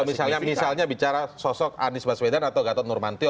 kalau misalnya misalnya bicara sosok anies baswedan atau gatot nurmantio